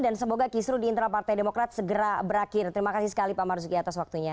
dan semoga kisru di internal partai demokrat segera berakhir terima kasih sekali pak marzuki atas waktunya